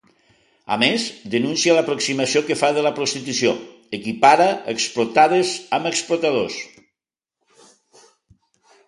A més, denuncia l’aproximació que fa de la prostitució: “Equipara explotades amb explotadors”.